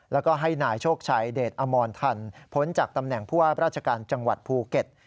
แล้วก็ให้นายโชคชัยเดชอมรทันพ้นจากตำแหน่งผู้ว่าราชการจังหวัดภูเก็ต